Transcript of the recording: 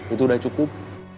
itu udah cukup